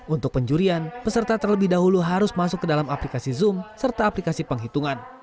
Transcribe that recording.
untuk penjurian peserta terlebih dahulu harus masuk ke dalam aplikasi zoom serta aplikasi penghitungan